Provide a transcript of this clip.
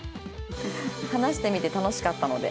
話してみて楽しかったので」